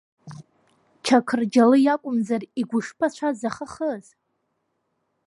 Чақырџьалы иакәымзар игәышԥы ацәа захыхыз?